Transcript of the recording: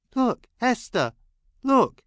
" Look, Hester ! look !